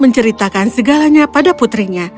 menceritakan segalanya pada putrinya